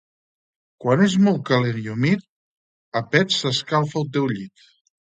Quan és molt calent i humit, a pets s'escalfa el teu llit.